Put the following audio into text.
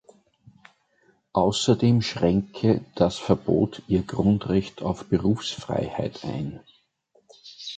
Außerdem schränke das Verbot ihr Grundrecht auf Berufsfreiheit ein.